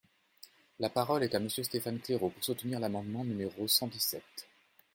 La parole est à Monsieur Stéphane Claireaux, pour soutenir l’amendement numéro cent dix-sept.